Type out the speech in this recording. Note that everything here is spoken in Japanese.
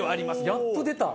やっと出た！